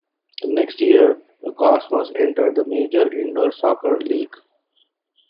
The next year, the Cosmos entered the Major Indoor Soccer League.